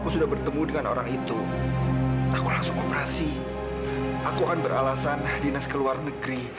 sampai jumpa di video selanjutnya